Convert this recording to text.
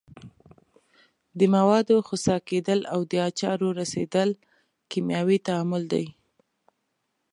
د موادو خسا کیدل او د آچار رسیدل کیمیاوي تعامل دي.